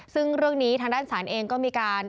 ซึ่งเรื่องนี้ทางด้านศาลเองก็มีการ